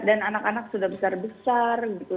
dan anak anak sudah besar besar gitu